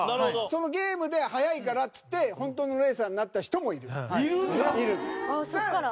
そのゲームで速いからっていって本当のレーサーになった人もいる。